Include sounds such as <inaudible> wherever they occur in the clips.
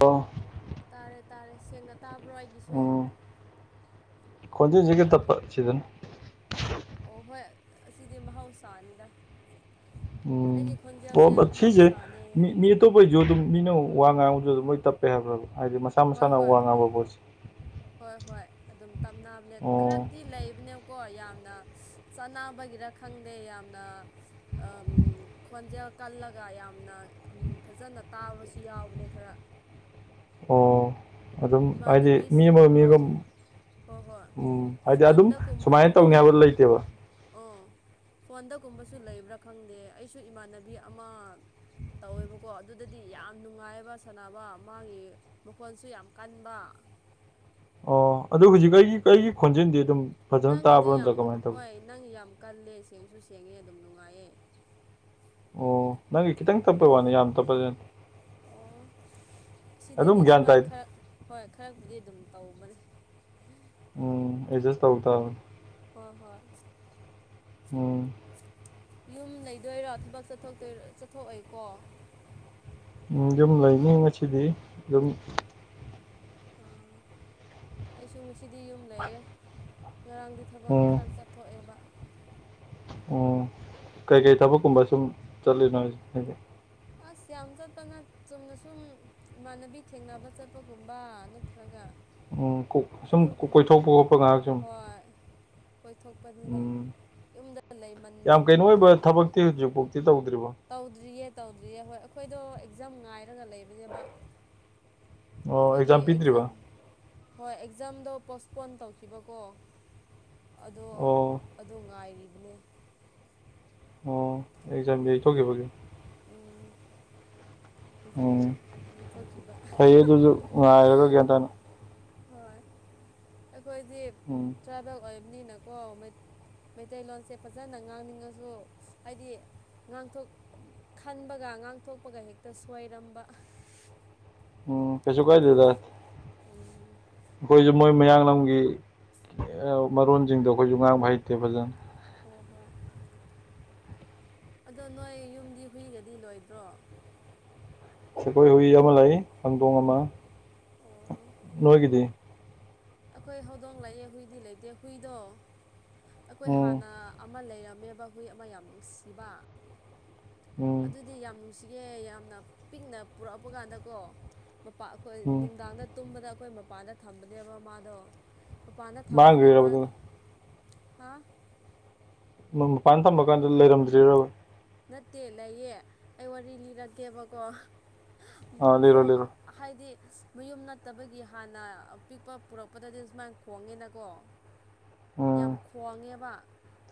ꯑꯣ ꯇꯥꯔꯦ ꯇꯥꯔꯦ ꯁꯦꯡꯅ ꯇꯥꯕ꯭ꯔꯣ ꯑꯩꯒꯤꯁꯨ ꯈꯣꯏꯗꯁꯤꯒꯦ ꯇꯞꯁꯤꯗꯅ ꯑꯣ ꯍꯣꯏ ꯑꯁꯤꯗꯤ ꯃꯍꯧꯁꯥꯅꯤꯗ ꯎꯝ ꯑꯩꯒꯤ ꯈꯣꯟꯖꯦꯜꯁꯦ ꯑꯣ ꯁꯤꯁꯦ ꯃꯍꯧꯁꯥꯅꯦ ꯃꯤ ꯃꯤ ꯑꯇꯣꯞꯄꯩꯁꯨ ꯑꯗꯨꯝ ꯃꯤꯅ ꯋꯥ ꯉꯥꯡꯕꯁꯨ ꯑꯗꯨꯝ ꯃꯣꯏ ꯇꯞꯄꯦ ꯍꯥꯏꯕ꯭ꯔꯕ ꯍꯥꯏꯗꯤ ꯍꯣꯏ ꯃꯁꯥꯅ ꯍꯣꯏ ꯋꯥ ꯉꯥꯡꯕ ꯄꯣꯠꯁꯦ ꯍꯣꯏ ꯍꯣꯏ ꯑꯗꯨꯝ ꯇꯞꯅꯕꯅꯦ ꯑꯣ ꯈꯔꯛꯇꯤ ꯂꯩꯕꯅꯦ ꯀꯣ ꯌꯥꯝꯅ ꯆꯥꯅꯕꯒꯤꯔ ꯈꯪꯗꯦ ꯌꯥꯝꯅ ꯈꯣꯟꯖꯦꯜ ꯀꯜꯂꯒ ꯌꯥꯝꯅ ꯐꯖꯅ ꯇꯥꯕꯁꯨ ꯌꯥꯎꯕꯅꯦ ꯈꯔ ꯑꯣ ꯑꯗꯨꯝ ꯍꯥꯏꯗꯤ ꯃꯤ ꯏꯃꯥꯟꯅꯕꯤꯁꯤꯡ ꯑꯃꯒ ꯃꯤꯒ ꯇꯧ ꯍꯣꯏ ꯍꯣꯏ ꯎꯝ ꯍꯥꯏꯗꯤ ꯑꯗꯨꯝ ꯁꯨꯃꯥꯏꯅ ꯇꯧꯅꯤ ꯐꯣꯟꯗꯒꯨꯝꯕꯗꯨꯁꯨ ꯍꯥꯏꯕ ꯂꯩꯇꯦꯕ ꯑꯣ ꯐꯣꯟꯗꯒꯨꯝꯕꯁꯨ ꯂꯩꯕ꯭ꯔꯥ ꯈꯪꯗꯦ ꯑꯩꯁꯨ ꯏꯃꯥꯟꯅꯕꯤ ꯑꯃ ꯇꯧꯋꯦꯕꯀꯣ ꯑꯗꯨꯗꯗꯤ ꯌꯥꯝ ꯅꯨꯡꯉꯥꯏꯑꯕ ꯁꯥꯟꯅꯕ ꯃꯥꯒꯤ ꯃꯈꯣꯟꯁꯨ ꯌꯥꯝ ꯀꯟꯕ ꯑꯣ ꯑꯗꯨ ꯍꯧꯖꯤꯛ ꯑꯩꯒꯤ ꯀꯒꯤ ꯈꯣꯟꯖꯦꯜꯗꯤ ꯑꯗꯨꯝ ꯐꯖꯅ ꯅꯪꯒꯤꯗꯤ ꯇꯥꯕ꯭ꯔꯥ ꯌꯥꯝ ꯅꯠꯇ꯭ꯔꯥ ꯀꯃꯥꯏꯅ ꯇꯧꯏ ꯍꯣꯏ ꯅꯪ ꯌꯥꯝ ꯀꯜꯂꯦ ꯁꯦꯡꯁꯨ ꯁꯦꯡꯉꯦ ꯑꯗꯨꯝ ꯅꯨꯡꯉꯥꯏꯌꯦ ꯑꯣ ꯅꯪꯒꯤ ꯈꯤꯇꯪ ꯇꯞꯄꯩ ꯋꯥꯅꯤ ꯌꯥꯝ ꯇꯞꯄꯁꯤꯅꯦ ꯑꯣ ꯑꯁꯤꯗꯗꯤ ꯑꯗꯨꯝ ꯒ꯭ꯌꯥꯟ ꯇꯥꯏ ꯁꯨꯃꯥꯏꯅ ꯈꯔ ꯍꯣꯏ ꯈꯔꯕꯨꯗꯤ ꯑꯗꯨꯝ ꯇꯧꯕꯅꯦ ꯎꯝ ꯑꯦꯠꯖꯁ ꯇꯧꯛꯇ ꯍꯣꯏ ꯍꯣꯏ ꯑꯣꯝ ꯌꯨꯝ ꯂꯩꯗꯣꯏꯔꯣ ꯊꯕꯛ ꯆꯠꯊꯣꯛꯑꯦꯀꯣ ꯎꯝ ꯌꯨꯝ ꯂꯩꯅꯤ ꯉꯁꯤꯗꯤ ꯌꯨꯝ ꯑꯣ ꯑꯩꯁꯨ ꯉꯁꯤꯗꯤ ꯌꯨꯝ ꯂꯩꯌꯦꯦ ꯉꯔꯥꯡꯗꯤ ꯊꯕꯛ ꯎꯝ ꯈꯔ ꯆꯠ ꯊꯣꯛꯣ ꯑꯦꯕ ꯎꯝ ꯀꯩꯀꯩ ꯊꯕꯛꯀꯨꯝꯕ ꯁꯨꯝ ꯆꯠꯂꯤꯅꯣ ꯑꯁ ꯌꯥꯝ ꯆꯠꯇꯅ ꯆꯨꯝꯅ ꯁꯨꯝ ꯏꯃꯥꯟꯅꯕꯤ ꯊꯦꯡꯅꯕ ꯆꯠꯄꯒꯨꯝꯕ ꯅꯠꯇ꯭ꯔꯒ ꯎꯝ ꯁꯨꯝ ꯑꯗꯨꯒꯨꯝ ꯀꯣꯏꯊꯣꯛꯄ ꯈꯣꯠꯄ ꯉꯥꯏꯍꯥꯛ ꯁꯨꯝ ꯍꯣꯏ ꯀꯣꯏꯊꯣꯛꯄꯅꯤꯗ ꯎꯝ ꯌꯨꯝꯗ ꯂꯩꯃꯟꯕ ꯌꯥꯝ ꯀꯩꯅꯣ ꯑꯣꯏꯕ ꯂꯩ ꯊꯕꯛꯇꯤ ꯍꯧꯖꯤꯛꯐꯥꯎꯗꯤ ꯇꯧꯗ꯭ꯔꯤꯕꯣ ꯇꯧꯗ꯭ꯔꯤꯌꯦ ꯇꯧꯗ꯭ꯔꯤꯌꯦ ꯍꯣꯏ ꯑꯩꯈꯣꯏꯗꯣ ꯑꯦꯛꯖꯥꯝ ꯉꯥꯏꯔꯒ ꯂꯩꯕꯅꯦꯕ ꯑꯣ ꯑꯩꯈꯣꯏꯒꯤ ꯄꯤꯗ꯭ꯔꯤꯕ ꯑꯦꯛꯖꯥꯝ ꯍꯣꯏ ꯑꯦꯛꯖꯥꯝꯗꯣ ꯄꯣꯁꯄꯣꯟ ꯇꯧꯈꯤꯕꯀꯣ ꯑꯗꯣ ꯑꯣ ꯑꯗꯣ ꯉꯥꯏꯔꯤꯕꯅꯦ ꯑꯣ ꯑꯦꯖꯥꯝ ꯌꯩꯊꯣꯛꯒꯈꯤꯕꯒ ꯎꯝ ꯎꯝ ꯑꯦꯛꯖꯥꯝꯅꯤ ꯊꯣꯀꯤꯕ ꯐꯩꯌꯦ ꯑꯗꯨꯁꯨ ꯉꯥꯏꯔꯒ ꯒ꯭ꯌꯥꯟ ꯇꯥꯅ ꯍꯣꯏ ꯑꯩꯈꯣꯏꯗꯤ ꯎꯝ ꯇ꯭ꯔꯥꯏꯕꯦꯜ ꯑꯣꯏꯕꯅꯤꯅꯀꯣ ꯃꯩꯇꯩꯂꯣꯟꯁꯦ ꯐꯖꯅ ꯉꯥꯡꯅꯤꯡꯉꯁꯨ ꯍꯥꯏꯗꯤ ꯉꯥꯡꯊꯣꯛ ꯈꯟꯕꯒ ꯉꯥꯡꯊꯣꯛꯄꯒ ꯍꯦꯛꯇ ꯁꯣꯏꯔꯝꯕ ꯑꯣ ꯀꯁꯨ ꯀꯥꯏ ꯗꯦꯗ ꯎꯝ ꯑꯩꯈꯣꯏꯁꯨ ꯃꯣꯏ ꯃꯌꯥꯡꯂꯒꯤ ꯃꯔꯣꯟꯁꯤꯡꯗꯣ ꯑꯩꯈꯣꯏꯁꯨ ꯉꯥꯡꯕ ꯍꯩꯇꯦ ꯐꯖꯅ ꯍꯣꯏ ꯍꯣꯏ ꯑꯗꯣ ꯅꯣꯏ ꯌꯨꯝꯗꯤ ꯍꯨꯏꯒꯗꯤ ꯂꯣꯏꯗ꯭ꯔꯣ ꯑꯩꯈꯣꯏ ꯍꯨꯏ ꯑꯃ ꯂ ꯈꯪꯗꯣꯡ ꯑꯃ ꯑꯣ ꯅꯣꯏꯒꯤꯗꯤ ꯑꯩꯈꯣꯏ ꯍꯧꯗꯣꯡ ꯂꯥꯛꯑꯦ ꯍꯨꯏꯗꯤ ꯂꯩꯇꯦ ꯍꯨꯏꯗꯣ ꯑꯩꯈꯣꯏ ꯎꯝ ꯍꯥꯟꯅ ꯑꯃ ꯂꯩꯔꯝꯃꯦꯕ ꯍꯨꯏ ꯑꯃ ꯌꯥꯝ ꯅꯨꯡꯁꯤꯕ ꯎꯝ ꯑꯗꯨꯗꯤ ꯌꯥꯝ ꯅꯨꯡꯁꯤꯒꯦ ꯌꯥꯝꯅ ꯄꯤꯛꯅ ꯄꯨꯔꯛꯄ ꯀꯥꯟꯗꯀꯣ ꯃꯄꯥ ꯑꯩꯈꯣꯏ ꯎꯝ ꯅꯨꯡꯗꯥꯡꯗ ꯇꯨꯝꯕꯗ ꯑꯩꯈꯣꯏ ꯃꯄꯥꯟꯗ ꯊꯝꯕꯅꯦꯕ ꯃꯥꯥꯗꯣ ꯃꯄꯥꯟꯗ ꯊꯝꯕꯒꯤ ꯃꯥ ꯃꯥꯡꯈ꯭ꯔꯤꯔꯕ ꯑꯗꯨꯅ ꯍꯥ ꯃꯄꯥꯟ ꯊꯝꯕ ꯀꯥꯟꯗ ꯂꯩꯔꯝꯗ꯭ꯔꯤꯔꯕ ꯅꯠꯇꯦ ꯂꯩꯌꯦ ꯑꯩ ꯋꯥꯔꯤ ꯂꯤꯔꯛꯒꯦꯕꯀꯣ ꯑ ꯂꯩꯔꯣ ꯈꯣꯡ ꯂꯩꯔꯣ ꯍꯥꯏꯗꯤ ꯃꯌꯨꯝ ꯅꯠꯇꯕꯒꯤ ꯍꯥꯟꯅ ꯑ ꯄꯤꯛꯄ ꯄꯨꯔꯛꯄꯗꯗꯤ ꯁꯨꯃꯥꯏꯅ ꯈꯣꯡꯒꯦꯅꯀꯣ ꯌꯥꯝ ꯎꯝ ꯈꯣꯡꯉꯦꯕ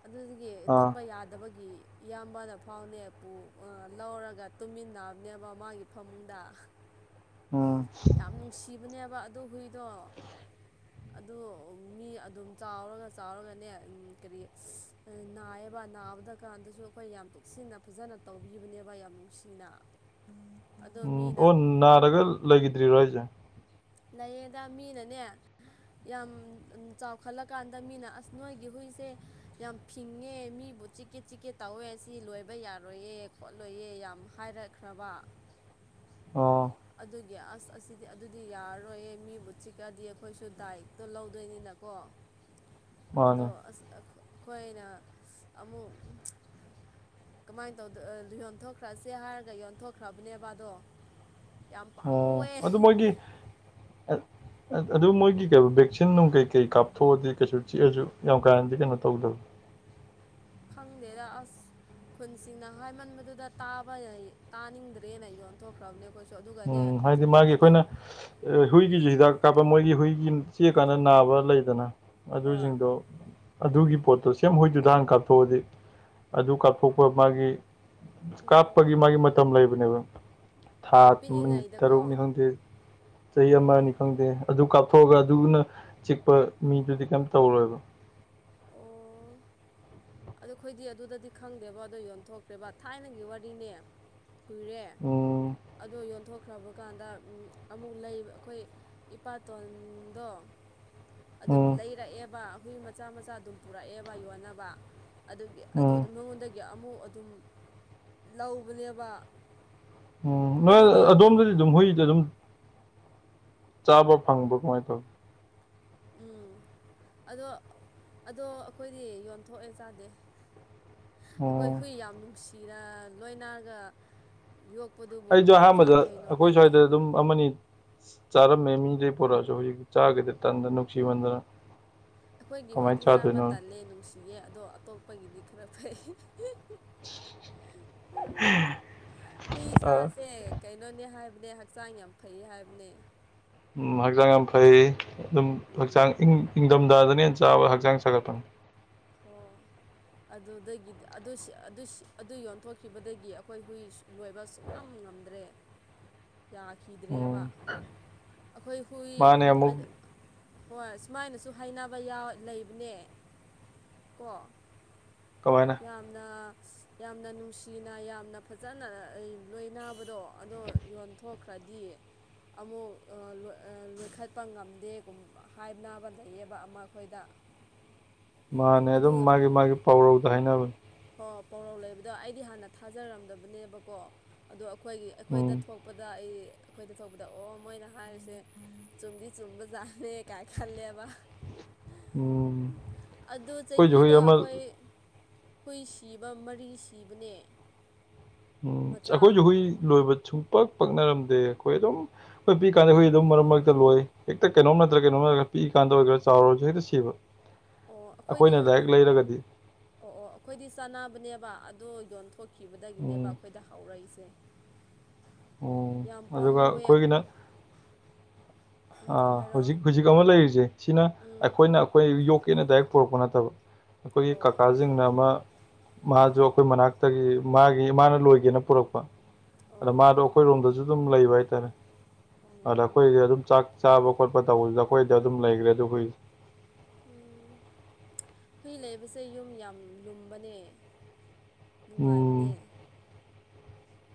ꯑꯗꯨꯗꯒꯤ ꯑꯥ ꯇꯨꯝꯕ ꯌꯥꯗꯕꯒꯤ ꯏꯌꯥꯝꯕꯅ ꯐꯥꯎꯅꯦ ꯄꯨꯨ ꯂꯧꯔꯒ ꯇꯨꯝꯃꯤꯟꯅꯕꯅꯦꯕ ꯃꯥꯒꯤ ꯐꯃꯨꯡꯗ ꯎꯝ ꯌꯥꯝ ꯅꯨꯡꯁꯤꯕꯅꯦꯕ ꯑꯗꯨ ꯍꯨꯏꯗꯣ ꯑꯗꯨ ꯃꯤ ꯑꯗꯨꯝ ꯆꯥꯎꯔꯒ ꯆꯥꯎꯔꯒꯅꯦ ꯀꯔꯤ ꯅꯥꯏꯌꯦꯕ ꯅꯥꯕꯗ ꯀꯥꯟꯗꯁꯨ ꯑꯩꯈꯣꯏ ꯌꯥꯝ ꯇꯦꯛꯁꯤꯟꯅ ꯐꯖꯅ ꯇꯧꯕꯤꯕꯅꯦꯕ ꯌꯥꯝ ꯅꯨꯡꯁꯤꯅ ꯎꯝ ꯑꯗꯣ ꯎꯝ ꯃꯤ ꯑꯣ ꯅꯥꯔꯒ ꯂꯩꯈꯤꯗ꯭ꯔꯤꯔꯣ ꯑꯩꯁꯦ ꯂꯌꯦꯡꯗ ꯃꯤꯅꯅꯦ ꯌꯥꯝ ꯆꯥꯎꯈꯠꯂꯀꯥꯟꯗ ꯃꯤꯅ ꯑꯁ ꯅꯣꯏꯒꯤ ꯍꯨꯏꯁꯦ ꯌꯥꯝ ꯐꯤꯡꯉꯦ ꯃꯤꯕꯨ ꯆꯤꯛꯀꯦ ꯆꯤꯛꯀꯦ ꯇꯧꯋꯦ ꯁꯤ ꯂꯣꯏꯕ ꯌꯥꯔꯣꯏꯌꯦ ꯈꯣꯠꯂꯣꯏꯌꯦ ꯌꯥꯝ ꯍꯥꯏꯔꯛꯈ꯭ꯔꯕ <inaudible> ꯑꯣ ꯑꯗꯨꯒꯤ ꯑꯁ ꯑꯁꯤꯗꯤ ꯑꯗꯨꯗꯤ ꯗꯤ ꯌꯥꯔꯔꯣꯏꯌꯦ ꯃꯤꯕꯨ ꯆꯤꯛꯂꯗꯤ ꯑꯩꯈꯣꯏꯁꯨ ꯗꯥꯏꯛꯇꯣ ꯂꯧꯗꯣꯏꯅꯤꯅꯀꯣ ꯑꯗꯣ ꯃꯥꯅꯦ ꯑꯩꯈꯣꯏꯅ ꯑꯃꯨꯛ ꯀꯃꯥꯏꯅ ꯇꯧ ꯌꯣꯟꯊꯣꯛꯈ꯭ꯔꯁꯦ ꯍꯥꯏꯔꯒ ꯌꯣꯟꯊꯣꯛꯈ꯭ꯔꯕꯅꯦ ꯕꯥꯗꯣ ꯌꯥꯝ ꯑꯣ ꯄꯥꯝꯃꯨꯑꯦ ꯑꯗꯨ ꯃꯣꯏꯒꯤ <unintelligible> ꯑꯗꯨ ꯃꯣꯏꯒꯤ ꯀꯩ ꯚꯦꯛꯁꯤꯟ ꯅꯨꯡ ꯀꯩ ꯀꯩ ꯀꯥꯞꯊꯣꯛꯑꯗꯤ ꯀꯩꯁꯨ ꯆꯤꯛꯑꯁꯨ ꯌꯥꯝ ꯀꯥꯟꯅꯗꯤ ꯀꯩꯅꯣ ꯇꯧꯗꯕ ꯈꯪꯗꯦꯗ ꯑꯁ ꯈꯨꯟꯁꯤꯡꯅ ꯍꯥꯏꯃꯟꯕꯗꯨꯗ ꯇꯥꯕ ꯇꯥꯅꯤꯡꯗ꯭ꯔꯦꯅ ꯌꯣꯟꯊꯣꯛꯈ꯭ꯔꯕꯅꯦ ꯀꯣꯏꯁꯨ ꯑꯗꯨꯒꯅꯤ ꯍꯥꯏꯗꯤ ꯃꯥꯒꯤ ꯑꯩꯈꯣꯏꯅ ꯍꯨꯏꯒꯤꯁꯨ ꯍꯤꯗꯥꯛ ꯀꯥꯞꯄ ꯃꯣꯏꯒꯤ ꯍꯨꯏꯒꯤ ꯆꯤꯛꯑꯥꯀꯥꯟꯗ ꯅꯥꯕ ꯂꯩꯗꯅ ꯍꯣꯏ ꯑꯗꯨꯁꯤꯡꯗꯣ ꯑꯗꯨꯒꯤ ꯄꯣꯠꯇꯣ ꯁꯦꯝ ꯍꯣꯏꯗꯨꯗ ꯍꯥꯟ ꯀꯥꯞꯊꯣꯛꯑꯗꯤ ꯑꯗꯨ ꯀꯥꯞꯊꯣꯛꯄ ꯃꯥꯒꯤ ꯎꯝ ꯀꯥꯞꯄꯒꯤ ꯃꯥꯒꯤ ꯃꯇꯝ ꯂꯩꯕꯅꯦꯕ ꯑꯣ ꯄꯤꯛꯏꯉꯥꯏꯗ ꯇꯔꯨꯛꯅꯤꯍꯟꯗꯦ ꯆꯍꯤ ꯑꯃ ꯑꯅꯤ ꯈꯪꯗꯦ ꯑꯗꯨ ꯀꯥꯞꯊꯣꯛꯑꯒ ꯑꯗꯨꯅ ꯆꯤꯛꯄ ꯃꯤꯗꯨꯗꯤ ꯀꯩꯝ ꯇꯧꯔꯣꯏꯕ ꯑꯣ ꯑꯗꯨ ꯑꯩꯈꯣꯏꯗꯤ ꯑꯗꯨꯗꯗꯤ ꯈꯪꯗꯦꯕ ꯑꯗꯣ ꯌꯣꯟꯊꯣꯛꯈ꯭ꯔꯦꯕ ꯊꯥꯏꯅꯒꯤ ꯋꯥꯔꯤꯅꯦ ꯀꯨꯏꯔꯦ ꯎꯝ ꯑꯗꯣ ꯌꯣꯟꯊꯣꯛꯈ꯭ꯔꯕ ꯀꯥꯟꯗ ꯑꯃꯨꯛ ꯂꯩ ꯑꯩꯈꯣꯏ ꯏꯄꯥꯇꯗ ꯑꯗꯨꯝ ꯎꯝ ꯂꯩꯔꯛꯑꯦꯕ ꯍꯨꯏ ꯃꯆꯥ ꯃꯆꯥ ꯑꯗꯨꯝ ꯄꯨꯔꯛꯑꯦꯕ ꯌꯣꯟꯅꯕ ꯎꯝ ꯑꯗꯨꯒꯤ ꯃꯉꯣꯟꯗꯒꯤ ꯑꯃꯨꯛ ꯑꯗꯨꯝ ꯂꯧꯕꯅꯦꯕ ꯎꯝ ꯅꯣꯏ ꯑꯗꯨꯗꯤ ꯑꯃꯨꯛ ꯑꯗꯣꯝꯗꯗꯤ ꯑꯗꯨꯝ ꯍꯨꯏꯗ ꯑꯗꯨꯝ ꯆꯥꯕ꯭ꯔ ꯐꯪꯕ꯭ꯔꯥ ꯀꯃꯥꯏꯅ ꯇꯧꯋꯤ ꯎꯝ ꯑꯗꯣ ꯑꯗꯣ ꯑꯩꯈꯣꯏꯗꯤ ꯌꯣꯟꯊꯣꯛꯑꯦ ꯆꯥꯗꯦ ꯑꯩꯈꯣꯏ ꯎꯝ ꯍꯨꯏ ꯌꯥꯝ ꯅꯨꯡꯁꯤꯔ ꯂꯣꯏꯅꯒ ꯌꯣꯛꯄꯗꯨꯕꯨ ꯑꯩꯁꯨ ꯀꯃꯥꯏꯅ ꯑꯍꯥꯟꯕꯗ ꯆꯥꯗꯣꯏꯅꯣ ꯑꯩꯈꯣꯏ ꯇꯜꯂꯦ ꯁ꯭ꯋꯥꯏꯗ ꯑꯗꯨꯝ ꯑꯃꯅꯤ ꯆꯥꯔꯝꯃꯦ ꯃꯤꯗꯩ ꯄꯨꯔꯛꯑꯁꯨ ꯍꯧꯖꯤꯛ ꯆꯥꯒꯤꯗꯔꯦ ꯇꯥꯟꯗꯅ ꯅꯨꯡꯁꯤꯃꯟꯗꯅ ꯑꯩꯈꯣꯏꯒꯤ ꯀꯃꯥꯏꯅ ꯍꯨꯏꯗꯤ ꯆꯥꯕ ꯆꯥꯗꯣꯏꯅꯣ ꯇꯜꯂꯦ ꯅꯨꯡꯁꯤꯌꯦ ꯑꯗꯣ ꯑꯇꯣꯞꯄꯒꯤꯗꯤ ꯈꯔ ꯐꯩ ꯍꯨꯏ ꯆꯥꯁꯦ ꯀꯩꯅꯣꯅꯦ ꯍꯥꯏꯕꯅꯦ ꯍꯛꯆꯥꯡ ꯌꯥꯝ ꯐꯩ ꯍꯥꯏꯕꯅꯦ ꯎꯝ ꯍꯛꯆꯥꯡ ꯌꯥꯝ ꯐꯩ ꯑꯗꯨꯝ ꯍꯛꯆꯥꯡ ꯎꯝ ꯏꯪꯊꯝꯊꯥꯗꯅ ꯍꯦꯟꯅ ꯆꯥꯕ ꯍꯛꯆꯥꯡ ꯁꯥꯒꯠꯄꯅꯤ ꯍꯣ ꯑꯗꯨꯗꯒꯤꯗꯤ ꯑꯗꯨ ꯌꯣꯟꯊꯣꯛꯈꯤꯕꯗꯒꯤ ꯑꯩꯈꯣꯏ ꯍꯨꯏ ꯂꯣꯏꯕ ꯁꯨꯡꯉꯝ ꯉꯝꯗ꯭ꯔꯦ ꯎꯝ ꯌꯥꯈꯤꯗ꯭ꯔꯦꯕ ꯑꯩꯈꯣꯏ ꯍꯨꯏ ꯃꯥꯅꯦ ꯑꯃꯨꯛ ꯍꯣꯏ ꯁꯨꯃꯥꯏꯅꯁꯨ ꯍꯥꯏꯅꯕ ꯌꯥ ꯂꯩꯕꯅꯦ ꯀꯣ ꯀꯃꯥꯏꯅ ꯌꯥꯝꯅ ꯌꯥꯝꯅ ꯅꯨꯡꯁꯤꯅ ꯌꯥꯝꯅ ꯐꯖꯅ ꯂꯣꯏꯕꯗꯣ ꯑꯗꯣ ꯌꯣꯟꯊꯣꯛꯈ꯭ꯔꯗꯤ ꯑꯃꯨꯛ ꯂꯣꯏꯈꯠꯄ ꯉꯝꯗꯦ ꯍꯥꯏꯅꯕ ꯂꯩꯌꯦꯕ ꯑꯃ ꯑꯩꯈꯣꯏꯗ ꯃꯥꯅꯦ ꯑꯗꯨ ꯑꯗꯨꯝ ꯃꯥꯒꯤ ꯃꯥꯒꯤ ꯄꯥꯎꯔꯧꯗ ꯍꯥꯏꯅꯕꯅꯦ ꯍꯣꯏ ꯄꯧꯔꯧ ꯂꯩꯕꯗꯣ ꯑꯩꯗꯤ ꯍꯥꯟꯅ ꯊꯥꯖꯔꯝꯗꯕꯅꯦꯕꯀꯣ ꯑꯗꯣ ꯑꯩꯈꯣꯏꯒꯤ ꯎꯝ ꯑꯩꯈꯣꯏꯗ ꯊꯣꯛ ꯄꯗ ꯑꯩ ꯑꯩꯈꯣꯏꯗ ꯊꯣꯛꯄꯗ ꯑꯣ ꯃꯣꯏꯅ ꯍꯥꯏꯔꯤꯁꯦ ꯆꯨꯝꯗꯤ ꯆꯨꯝꯕꯖꯥꯠꯅꯦ ꯀꯥꯏꯅ ꯈꯜꯂꯦꯕ ꯎꯝ ꯑꯗꯨ ꯑꯩꯈꯣꯏꯁꯨ ꯍꯨꯏ ꯆꯍꯤꯗꯣ ꯑꯃ ꯑꯩꯈꯣꯏ ꯍꯨꯏ ꯁꯤꯕ ꯃꯔꯤ ꯁꯤꯕꯅꯦ ꯃꯆꯥ ꯑꯩꯈꯣꯏꯁꯨ ꯍꯨꯏ ꯂꯣꯏꯕ ꯁꯨꯡꯄꯛ ꯄꯛꯅꯔꯝꯗꯦ ꯑꯩꯈꯣꯏ ꯑꯗꯨꯝ ꯍꯣꯏ ꯄꯤꯛ ꯀꯥꯟꯗ ꯑꯩꯈꯣꯏ ꯑꯗꯨꯝ ꯑꯣ ꯃꯔꯛ ꯃꯔꯛꯇ ꯂꯣꯏ ꯍꯦꯛꯇ ꯀꯩꯅꯣꯝ ꯅꯠꯇ꯭ꯔ ꯀꯩꯅꯣ ꯅꯠꯇ꯭ꯔ ꯄꯤꯏ ꯀꯥꯟꯗ ꯑꯣꯏꯒꯦꯔ ꯆꯥꯎꯔꯁꯨ ꯍꯦꯛꯇ ꯁꯤꯕ ꯑꯣ ꯑꯩꯈꯣꯏꯗꯤ ꯑꯩꯈꯣꯏꯅ ꯗꯥꯏꯔꯦꯛ ꯂꯩꯔꯒꯗꯤ ꯑꯣ ꯑꯣ ꯑꯩꯈꯣꯏꯗꯤ ꯆꯥꯅꯕꯅꯦꯕ ꯑꯗꯣ ꯌꯣꯟꯊꯣꯛꯀ ꯈꯤꯕꯗꯒꯤꯅꯦꯕ ꯎꯝ ꯑꯩꯈꯣꯏꯗ ꯍꯧꯔꯛꯏꯁꯦ ꯎꯝ ꯌꯥꯝ ꯑꯗꯨꯒ ꯄꯥꯝꯃꯨꯢꯌꯦ ꯑ ꯍꯧꯖꯤꯛ ꯍꯧꯖꯤꯛ ꯑꯃ ꯂꯩꯔꯤꯁꯦ ꯁꯤꯅ ꯎꯝ ꯑꯩꯈꯣꯏꯅ ꯑꯩꯈꯣꯏ ꯌꯣꯛꯀꯦꯅ ꯗꯥꯏꯔꯦꯛ ꯄꯣꯔꯛꯄ ꯅꯠꯇꯕ ꯑꯩꯈꯣꯏꯒꯤ ꯑꯣ ꯀꯀꯥꯁꯤꯡꯅ ꯑꯃ ꯃꯥꯁꯨ ꯑꯩꯈꯣꯏ ꯃꯅꯥꯛꯇꯒꯤ ꯃꯥꯒꯤ ꯃꯥꯅ ꯂꯣꯏꯒꯦꯅ ꯄꯨꯔꯛꯄ ꯑꯗ ꯑꯣ ꯃꯥꯗꯣ ꯑꯩꯈꯣꯏꯔꯣꯝꯗꯁꯨ ꯑꯗꯨꯝ ꯂꯩꯕ ꯍꯥꯏꯇꯥꯔꯦ ꯑꯗ ꯎꯝ ꯑꯩꯈꯣꯏꯗ ꯑꯗꯨꯝ ꯆꯥꯛ ꯆꯥꯕ ꯈꯣꯠꯄ ꯇꯧꯕꯁꯤꯗ ꯑꯩꯈꯣꯏꯗ ꯑꯗꯨꯝ ꯂꯩꯈ꯭ꯔꯦ ꯑꯗꯨ ꯍꯨꯢꯗꯣ ꯎꯝ ꯍꯨꯏ ꯂꯩꯕꯁꯦ ꯌꯨꯝ ꯌꯥꯝ ꯂꯨꯝꯕꯅꯦ ꯅꯨꯡꯉꯥꯏꯕꯅꯦ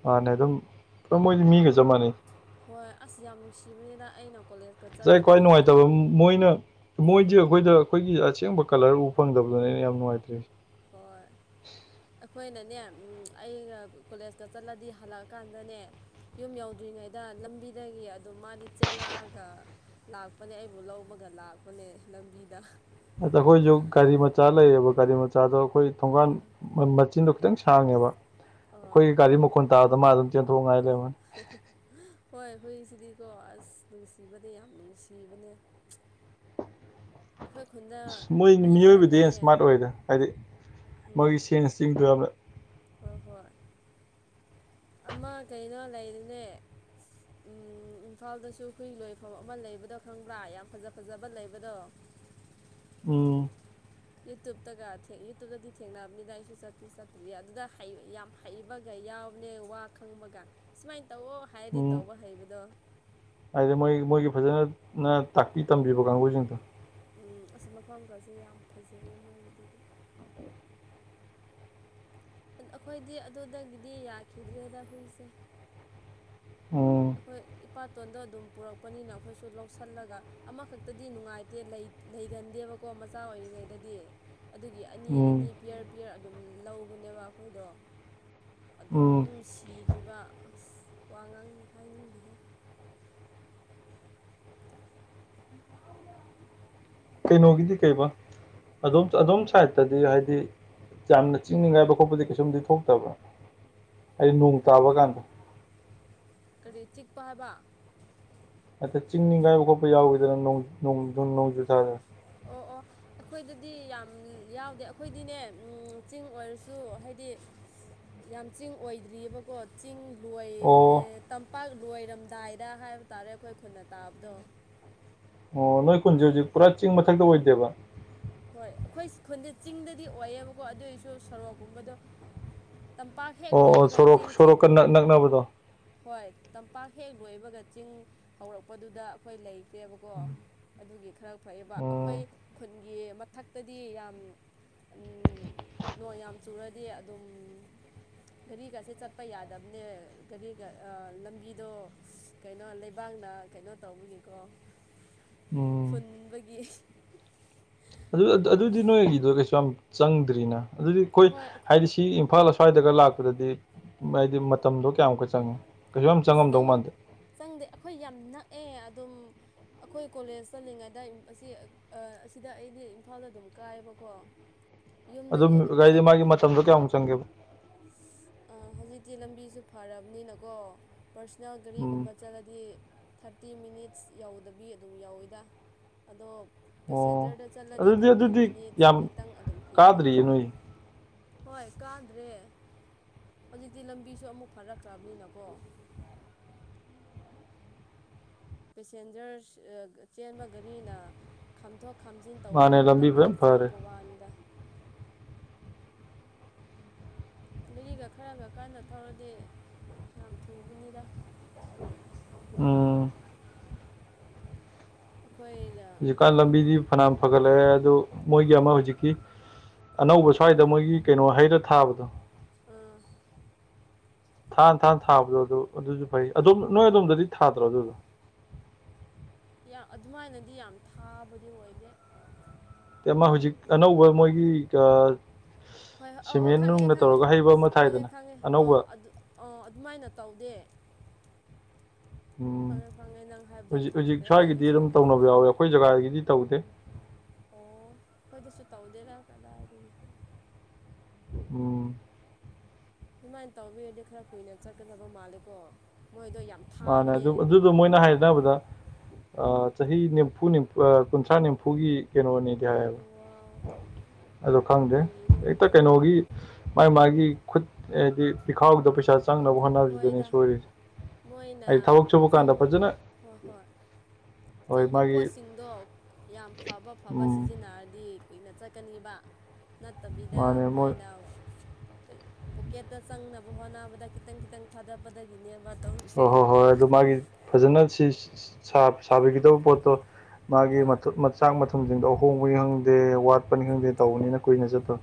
ꯃꯥꯅꯦ ꯑꯗꯨꯝ ꯃꯣꯏꯗꯤ ꯃꯤꯒ ꯆꯞ ꯃꯥꯟꯅꯩ ꯍꯣꯏ ꯑꯁ ꯌꯥꯝ ꯅꯨꯡꯁꯤꯕꯅꯤꯗ ꯑꯩꯅ ꯀꯣꯂꯦꯖ ꯑꯩꯅ ꯈ꯭ꯋꯥꯏ ꯅꯨꯡꯉꯥꯏꯇꯕ ꯑꯃ ꯃꯣꯏꯅ ꯃꯣꯏꯗꯤ ꯑꯩꯈꯣꯏꯗ ꯑꯩꯈꯣꯏꯒꯤ ꯑꯁꯦꯡꯕ ꯀꯂ꯭ꯔ ꯎꯕ ꯐꯪꯗꯕꯗꯨꯅꯦ ꯑꯩꯅ ꯌꯥꯝ ꯅꯨꯡꯉꯥꯏꯇ꯭ꯔꯤꯁꯤ ꯍꯣꯏ ꯑꯩꯈꯣꯏꯅꯅꯦ ꯑꯩꯅ ꯀꯣꯂꯦꯖꯇ ꯆꯠꯂꯗꯤ ꯍꯜꯂꯛꯑꯀꯥꯟꯗꯅꯦ ꯌꯨꯝ ꯌꯧꯗ꯭ꯔꯤꯉꯩꯗ ꯂꯝꯕꯤꯗꯒꯤ ꯑꯗꯨꯝ ꯃꯥꯗꯤ ꯆꯦꯜꯂꯛꯑꯒ ꯂꯥꯛꯄꯅꯦ ꯑꯩꯕꯨ ꯂꯧꯕꯒ ꯂꯥꯛꯄꯅꯦ ꯂꯝꯕꯤꯗ ꯑꯗ ꯑꯩꯈꯣꯏꯁꯨ ꯒꯥꯔꯤ ꯃꯆꯥ ꯂꯩꯌꯦꯕ ꯒꯥꯔꯤ ꯃꯆꯥꯗꯣ ꯑꯩꯈꯣꯏ ꯊꯣꯡꯒꯥꯟ ꯑꯥ ꯃꯆꯤꯟꯗꯣ ꯑꯗꯨꯝ ꯁꯥꯡꯉꯦꯕ ꯑꯥ ꯑꯩꯈꯣꯏꯒꯤ ꯒꯥꯔꯤ ꯃꯈꯣꯜ ꯇꯥꯕꯗ ꯃꯥ ꯑꯗꯨꯝ ꯆꯦꯟꯊꯣꯛꯉꯥꯏ ꯂꯩꯔꯕꯅꯤ ꯍꯣꯏ ꯍꯨꯏꯁꯤꯗꯤꯀꯣ ꯑꯁ ꯅꯨꯡꯁꯤꯕꯗꯤ ꯌꯥꯝ ꯅꯨꯡꯁꯤꯕꯅꯦ ꯑꯩꯈꯣꯏ ꯈꯨꯟꯗ ꯃꯣꯏ ꯃꯤ ꯑꯃ ꯃꯤꯑꯣꯏꯕꯗꯒꯤ ꯂꯩꯌꯦ ꯁꯃꯥꯔꯠ ꯑꯣꯏꯗ ꯍꯥꯏꯗꯤ ꯃꯣꯏꯒꯤ ꯁꯦꯟꯁ ꯆꯤꯡꯗꯨꯔꯕ ꯍꯣꯏ-ꯍꯣꯏ ꯑꯃ ꯀꯩꯅꯣ ꯂꯩꯔꯅꯦ ꯎꯝ ꯏꯝꯐꯥꯜꯗꯁꯨ ꯍꯨꯏ ꯂꯣꯏꯐꯝ ꯑꯃ ꯂꯩꯕꯗꯣ ꯈꯪꯕ꯭ꯔꯥ ꯌꯥꯝ ꯐꯖ-ꯐꯖꯕ ꯂꯩꯕꯗꯣ ꯎꯝ ꯌꯨꯇ꯭ꯨꯞꯇꯒ ꯌꯨꯇꯨꯞꯇꯗꯤ ꯊꯦꯡꯅꯕꯅꯤꯅ ꯑꯩꯁꯨ ꯆꯠꯇꯤ ꯆꯠꯇ꯭ꯔꯤ ꯑꯗꯨꯗ ꯍꯩ ꯌꯥꯝ ꯍꯩꯕꯒ ꯌꯥꯎꯕꯅꯦ ꯋꯥ ꯈꯪꯕꯒ ꯁꯨꯃꯥꯏꯅ ꯇꯧꯑꯣ ꯍꯥꯏꯔꯗꯤ ꯎꯝ ꯇꯧꯕ ꯍꯩꯕꯗꯣ ꯍꯥꯏꯗꯤ ꯃꯣꯏ-ꯃꯣꯏꯒꯤ ꯐꯖꯅ ꯇꯥꯛꯄꯤ ꯇꯝꯕꯤꯕ ꯀꯥꯡꯕꯨꯁꯤꯡꯗꯣ ꯎꯝ ꯑꯁ ꯃꯐꯝꯒꯁꯦ ꯌꯥꯝ ꯐꯖꯩꯌꯦ ꯃꯣꯏꯗꯨꯗꯤ ꯑꯩꯈꯣꯏꯗꯤ ꯑꯗꯨꯗꯒꯤꯗꯤ ꯌꯥꯈꯤꯗ꯭ꯔꯦꯗ ꯍꯨꯏꯛꯁꯦ ꯎꯝ ꯑꯩꯈꯣꯏ ꯏꯄꯥꯇꯣꯟꯗꯣ ꯑꯗꯨꯝ ꯄꯨꯔꯛꯄꯅꯤꯅ ꯑꯩꯈꯣꯏꯁꯨ ꯂꯧꯁꯤꯜꯂꯒ ꯑꯃꯈꯛꯇꯗꯤ ꯅꯨꯡꯉꯥꯏꯇꯦ ꯂꯩꯒꯟꯗꯦꯕꯀꯣ ꯃꯆꯥ ꯑꯣꯏꯔꯤꯉꯩꯗꯗꯤ ꯑꯗꯨꯒꯤ ꯎꯝ ꯑꯅꯤ-ꯑꯅꯤ ꯄꯤꯌꯔ-ꯄꯤꯌꯔ ꯑꯗꯨꯝ ꯂꯧꯕꯅꯦꯕ ꯑꯩꯈꯣꯏꯗꯣ ꯑꯗꯨꯝ ꯎꯝ ꯁꯤꯈꯤꯕ ꯑꯁ ꯋꯥ ꯉꯥꯡ ꯍꯥꯏꯅꯤꯡꯗꯍꯦ ꯀꯩꯅꯣꯒꯤꯗꯤ ꯀꯩꯕꯥ ꯑꯝ ꯑꯗꯣꯝ ꯁꯥꯏꯗꯠꯇꯗꯤ ꯍꯥꯏꯗꯤ ꯌꯥꯝꯅ ꯆꯤꯡꯅꯤꯉꯥꯏ ꯊꯣꯛꯄꯗꯤ ꯀꯩꯁꯨꯝꯗꯤ ꯊꯣꯛꯇꯕ꯭ꯔ ꯍꯩꯗꯤ ꯅꯣꯡ ꯇꯥꯕ ꯀꯥꯟꯗ ꯀꯔꯤ ꯆꯤꯛꯄ ꯍꯥꯏꯕ ꯑꯇꯦ ꯆꯤꯡꯅꯤꯒꯥꯏꯕ ꯈꯣꯠꯄ ꯌꯥꯎꯗꯅ ꯅꯣꯡ ꯖꯨꯟ ꯅꯣꯡꯖꯨ ꯊꯥꯗ ꯑꯣ-ꯑꯣ ꯑꯩꯈꯣꯏꯗꯗꯤ ꯌꯥꯝ ꯌꯥꯎꯗꯦ ꯑꯩꯈꯣꯏꯗꯤꯅꯦ ꯆꯤꯡ ꯑꯣꯏꯔꯁꯨ ꯍꯥꯏꯗꯤ ꯌꯥꯝ ꯆꯤꯡ ꯑꯣꯏꯗ꯭ꯔꯤꯑꯕꯀꯣ ꯆꯤꯡ ꯂꯣꯏ ꯑꯣ ꯄꯥꯛ ꯂꯣꯏꯔꯝꯗꯥꯏꯗ ꯍꯥꯏꯕ ꯇꯥꯔꯦ ꯑꯩꯈꯣꯏ ꯈꯨꯟꯅ ꯇꯥꯕꯗꯣ ꯑꯣ ꯅꯣꯏ ꯈꯨꯟꯁꯦ ꯍꯧꯖꯤꯛ ꯄꯨꯔꯥ ꯆꯤꯡ ꯃꯊꯛꯇꯤ ꯑꯣꯏꯗꯦꯕ ꯍꯣꯏ ꯑꯩꯈꯣꯏ ꯈꯨꯟꯗꯦ ꯆꯤꯡꯗꯗꯤ ꯑꯣꯏꯌꯦꯕꯀꯣ ꯑꯗꯨꯑꯣꯏꯁꯨ ꯁꯣꯔꯣꯛꯀꯨꯝꯕꯗꯣ ꯇꯝꯄꯥꯛ ꯍꯦꯛ ꯑꯣ ꯑꯣ ꯂꯣꯏꯕꯒ ꯁꯣꯔꯣꯛ ꯆꯤꯡꯊꯦꯛ ꯁꯣꯔꯣꯛꯀ ꯅꯛ ꯅꯛꯅꯕꯗꯣ ꯍꯣꯏ ꯇꯝꯄꯥꯛ ꯍꯦꯛ ꯂꯣꯏꯕꯒ ꯆꯤꯡ ꯍꯧꯔꯛꯄꯗꯨꯗ ꯑꯩꯈꯣꯏ ꯂꯩꯈ꯭ꯔꯦꯕꯀꯣ ꯑꯗꯨꯒꯤ ꯈꯔ ꯐꯩꯌꯦꯕ ꯑꯩꯈꯣꯏ ꯎꯝ ꯈꯨꯟꯒꯤ ꯃꯊꯛꯇꯗꯤ ꯌꯥꯝ ꯎ ꯅꯣꯡ ꯌꯥꯝ ꯆꯨꯔꯗꯤ ꯑꯗꯨꯝ ꯒꯥꯔꯤꯒꯁꯦ ꯆꯠꯄ ꯌꯥꯗꯕꯅꯦ ꯒꯥꯔꯤꯒ ꯂꯝꯕꯤꯗꯣ ꯀꯩꯅꯣ ꯂꯩꯕꯥꯛꯅ ꯀꯩꯅꯣ ꯇꯧꯕꯒꯤꯀꯣ <inaudible> ꯎꯝ ꯐꯨꯟꯕꯒꯤ ꯑꯗꯨ-ꯑꯗꯨꯗꯤ ꯅꯣꯏꯒꯤꯗꯣ ꯀꯩꯁꯨ ꯌꯥꯝ ꯆꯪꯗ꯭ꯔꯤꯅ ꯑꯗꯨꯗꯤ ꯑꯩꯈꯣꯏ ꯍꯣꯏ ꯍꯥꯏꯗꯤ ꯁꯤ ꯏꯝꯐꯥꯜ ꯑꯁ꯭ꯋꯥꯏꯗꯒ ꯂꯥꯛꯄꯗꯗꯤ ꯍꯥꯏꯗꯤ ꯃꯇꯝꯗꯣ ꯀꯌꯥꯃꯨꯛꯀ ꯆꯪꯉꯦ ꯀꯩꯁꯨ ꯌꯥꯝ ꯑꯁ ꯆꯪꯉꯝꯗꯧ ꯆꯪ ꯃꯥꯟꯗꯦ ꯆꯪꯗꯦ ꯑꯩꯈꯣꯏ ꯌꯥꯝ ꯅꯛꯑꯦ ꯑꯗꯨꯝ ꯑꯩꯈꯣꯏ ꯀꯣꯂꯦꯖ ꯆꯜꯂꯤꯉꯩꯗ ꯑꯁꯤ ꯑꯥ ꯑꯁꯤꯗ ꯑꯩꯗꯤ ꯏꯝꯐꯥꯜꯗ ꯑꯗꯨꯝ ꯀꯥꯏꯌꯦꯕꯀꯣ ꯌꯨꯝꯗꯒꯤ ꯑꯗꯨꯝ ꯑꯗꯨꯝꯥꯏꯗꯤ ꯆꯠ ꯃꯥꯒꯤ ꯃꯇꯝꯗꯣ ꯀꯌꯥꯃꯨꯛ ꯆꯪꯒꯦꯕ ꯍꯧꯖꯤꯛꯇꯤ ꯂꯝꯕꯤꯁꯨ ꯐꯔꯕꯅꯤꯅꯀꯣ ꯄꯔꯁꯣꯅꯦꯜ ꯎꯝ ꯒꯥꯔꯤꯒꯨꯝꯕ ꯆꯠꯂꯗꯤ ꯊꯥꯔꯇꯤ ꯃꯤꯅꯤꯠꯁ ꯌꯥꯎꯗꯕꯤ ꯑꯗꯨꯝ ꯌꯥꯎꯋꯤꯗ ꯑꯗꯣ ꯑꯣ ꯄꯦꯁꯦꯟꯖꯔꯗ ꯆꯠꯂꯗꯤ ꯑꯗꯨꯗꯤ ꯊꯥꯔꯇꯤ ꯑꯗꯨꯗꯤ ꯃꯤꯅꯤꯠꯁ ꯌꯥꯝ ꯈꯤꯇꯪ ꯑꯗꯨꯝ ꯍꯦꯜꯂꯦ ꯀꯥꯗ꯭ꯔꯤꯌꯦ ꯅꯣꯏ ꯍꯣꯏ ꯀꯥꯗ꯭ꯔꯦ ꯍꯧꯖꯤꯛꯇꯤ ꯂꯝꯕꯤꯁꯨ ꯑꯃꯨꯛ ꯐꯥꯔꯛꯈ꯭ꯔꯕꯅꯤꯅꯀꯣ ꯄꯦꯁꯦꯟꯖꯔ ꯆꯦꯟꯕ ꯒꯥꯔꯤꯅ ꯈꯥꯝꯊꯣꯛ ꯈꯥꯝꯖꯤꯟ ꯇꯧꯕꯒꯤ ꯃꯥꯅꯦ ꯂꯝꯕꯤ ꯃꯇꯝ ꯈꯔ ꯐꯖꯅ ꯐꯔꯦ ꯆꯠꯂꯄ ꯋꯥꯅꯤꯗ ꯃꯔꯤꯒ ꯈꯔꯒ ꯀꯥꯟꯅ ꯊꯧꯔꯗꯤ ꯌꯥꯝ ꯊꯨꯕꯅꯤꯗ ꯎꯝ ꯈꯣꯏꯗ ꯍꯧꯖꯤꯛꯀꯥꯟ ꯂꯝꯕꯤꯗꯤ ꯐꯅꯌꯥꯝ ꯐꯒꯠꯂꯛꯑꯦ ꯑꯗꯨ ꯃꯣꯏꯒꯤ ꯍꯣꯏ ꯑꯃ ꯍꯧꯖꯤꯛꯀꯤ ꯑꯅꯧꯕ ꯁ꯭ꯋꯥꯏꯗ ꯃꯣꯏꯒꯤ ꯀꯩꯅꯣ ꯍꯩꯔ ꯊꯥꯕꯗꯣ ꯎꯝ ꯊꯥ ꯊꯥꯅ ꯊꯥꯕꯗꯣ ꯑꯗꯨ ꯑꯗꯨꯁꯨ ꯐꯩ ꯍꯣꯏ ꯑꯗꯣꯝ ꯅꯣꯏ ꯑꯗꯣꯝꯗꯗꯤ ꯊꯥꯗ꯭ꯔꯣ ꯑꯗꯨꯗꯣ ꯑꯗꯨꯃꯥꯏꯅꯗꯤ ꯌꯥꯝ ꯊꯥꯕꯗꯤ ꯑꯣꯏꯗꯦ ꯑꯃ ꯍꯧꯖꯤꯛ ꯑꯅꯧꯕ ꯃꯣꯏꯒꯤ ꯍꯣꯏ ꯍꯣꯏ ꯑꯧ ꯑꯣ ꯁꯤꯃꯦꯟ ꯈꯪꯉꯦ ꯅꯨꯡꯅ ꯈꯪꯉꯦ ꯇꯧꯔꯒ ꯍꯩꯕ ꯑꯃ ꯈꯪꯉꯦ ꯊꯥꯏꯗꯅ ꯈꯪꯉꯦ ꯑ ꯑꯅꯧꯕ ꯑꯗꯨ ꯑꯣ ꯑꯗꯨꯃꯥꯏꯅ ꯇꯧꯗꯦ ꯎꯝ ꯈꯪꯉꯦ ꯈꯪꯉꯦ ꯅꯪ ꯍꯥꯏꯕꯗꯣ ꯍꯧꯖꯤꯛ ꯍꯧꯖꯤꯛ ꯈꯪꯈ꯭ꯔꯦ ꯑꯩ ꯁ꯭ꯋꯥꯏꯒꯤꯗꯤ ꯑꯗꯨꯝ ꯑꯁꯣꯝꯗ ꯇꯧꯅꯕ ꯌꯥꯎꯋꯦ ꯊꯦꯡꯅꯔꯦ ꯑꯩꯈꯣꯏ ꯖꯒꯥꯗꯒꯤꯗꯤ ꯇꯧꯗꯦ ꯑꯣ ꯑꯩꯈꯣꯏꯗꯁꯨ ꯇꯧꯗꯦꯔꯥ ꯀꯗꯥꯏꯗꯒꯤ ꯎꯝ ꯑꯗꯨꯃꯥꯏꯅ ꯇꯧꯕꯤꯔꯗꯤ ꯈꯔ ꯀꯨꯏꯅ ꯆꯠꯀꯗꯕ ꯃꯥꯜꯂꯦꯀꯣ ꯃꯣꯏꯗꯣ ꯌꯥꯝ ꯃꯥꯅꯦ ꯊꯥꯕꯅꯦ ꯑꯗꯨ ꯑꯗꯨ ꯑꯗꯨꯗꯣ ꯃꯣꯏꯅ ꯍꯥꯏꯅꯕꯗ ꯆꯍꯤ ꯅꯤꯝꯐꯨ ꯀꯨꯟꯊ꯭ꯔꯥ ꯅꯤꯝꯐꯨꯒꯤ ꯀꯩꯅꯣꯅꯤꯗꯤ ꯍꯥꯏꯌꯦꯕ ꯋꯥꯎ ꯑꯗꯣ ꯈꯪꯗꯦ ꯀꯨꯏꯔꯦꯅꯦ ꯍꯦꯛꯇ ꯑꯗꯨꯗꯤ ꯀꯩꯅꯣꯒꯤ ꯃꯥꯥꯏ ꯃꯥꯒꯤ ꯈꯨꯠ ꯍꯥꯏꯗꯤ ꯄꯤꯈꯥꯎꯗ ꯄꯩꯁꯥ ꯆꯪꯅꯕ ꯍꯣꯠꯅꯕꯁꯤꯗꯅꯦ ꯍꯣꯏꯗ ꯁꯣꯏꯔꯤꯁꯦ ꯃꯣꯏꯅ ꯍꯥꯏꯗꯤ ꯊꯕꯛ ꯁꯨꯕ ꯆꯪ ꯀꯥꯟꯗ ꯐꯖꯅ ꯍꯣꯏ ꯍꯣꯏ ꯍꯣꯏ ꯆꯪꯕ ꯃꯥꯒꯤ ꯄꯣꯠꯁꯤꯡꯗꯣ ꯌꯥꯝ ꯐꯕ ꯐꯕ ꯎꯝ ꯁꯤꯖꯤꯟꯅꯔꯗꯤ ꯀꯨꯏꯅ ꯆꯠꯀꯅꯤꯕ ꯅꯠꯇꯕꯤꯗ ꯃꯥꯅꯦ ꯃꯣꯏ ꯃꯣꯏꯅ ꯄꯣꯀꯦꯠꯇ ꯆꯪꯅꯕ ꯍꯣꯠꯅꯕꯗ ꯈꯤꯇꯪ ꯈꯤꯇꯪ ꯊꯥꯗꯄꯗꯒꯤꯅꯦꯕ ꯑꯣ ꯍꯣꯏ ꯍꯣꯏ ꯑꯗꯨ ꯃꯥꯒꯤ ꯐꯖꯅ ꯁꯤ ꯁꯥꯕꯤꯒꯗꯕ ꯄꯣꯠꯇꯣ ꯃꯥꯒꯤ ꯍꯣꯏ ꯃꯊ ꯃꯆꯥꯛ ꯃꯊꯨꯝꯁꯤꯡꯗꯣ ꯑꯍꯣꯡꯕꯅꯤ ꯈꯪꯗꯦ ꯋꯥꯠꯄꯅꯤ ꯈꯪꯗꯦ ꯇꯧꯕꯅꯤꯅ ꯀꯨꯏꯅ ꯆꯠꯇ